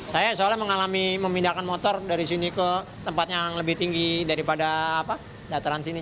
saya soalnya mengalami memindahkan motor dari sini ke tempat yang lebih tinggi daripada dataran sini